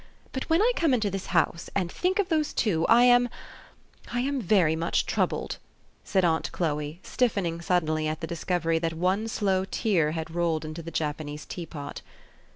But when I come into this house, and think of those two, I am I am very much troubled," said aunt Chloe, stiffening suddenly at the discover} that one slow tear had rolled into the Japanese tea pot.